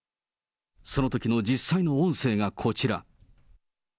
そのときの実際の音声がこちら。